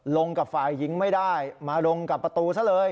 ลงกับฝ่ายหญิงไม่ได้มาลงกับประตูซะเลย